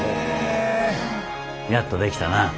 やっと出来たな。